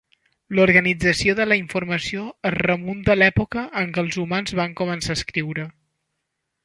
L'organització de la informació es remunta a l'època en què els humans van començar a escriure.